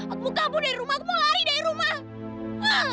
aku mau kabur dari rumah aku mau lari dari rumah